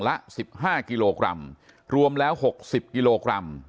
ละสิบห้ากิโลกรัมรวมแล้วหกสิบกิโลกรัม